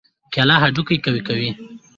کېله هډوکي قوي کوي.